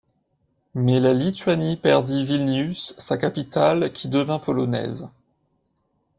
Mais la Lituanie perdit Vilnius, sa capitale, qui devint polonaise.